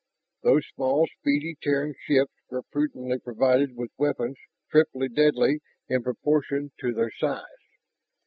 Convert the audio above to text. Those small speedy Terran ships were prudently provided with weapons triply deadly in proportion to their size.